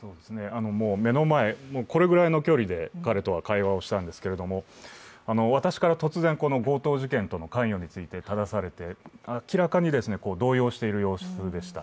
もう目の前、これくらいの距離で彼とは会話をしたんですけど私から突然、強盗事件との関与についてただされて明らかに動揺している様子でした。